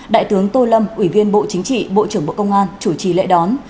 đại tướng tô lâm ủy viên bộ chính trị bộ trưởng bộ công an chủ trì lễ đón